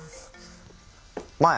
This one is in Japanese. あ。